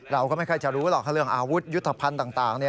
เราก็ไม่ค่อยจะรู้หรอกเรื่องอาวุธยุทธภัณฑ์ต่าง